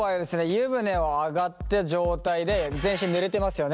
湯船を上がった状態で全身ぬれてますよね。